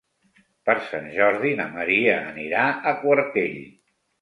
Per Sant Jordi na Maria anirà a Quartell.